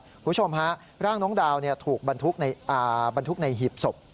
คุณผู้ชมฮะร่างน้องดาวถูกบรรทุกบรรทุกในหีบศพ